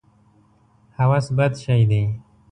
هوس بد شی دی.